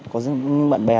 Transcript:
có những bạn bè